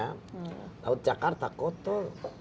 kalau saya suka di jakarta koto